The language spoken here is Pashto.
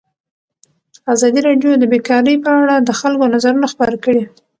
ازادي راډیو د بیکاري په اړه د خلکو نظرونه خپاره کړي.